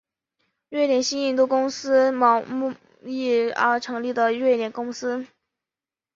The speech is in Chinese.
瑞典西印度公司贸易而成立的瑞典公司。